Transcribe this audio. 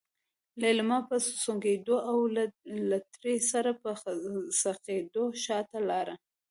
ليلما په سونګېدو او له تړې سره په څخېدو شاته لاړه.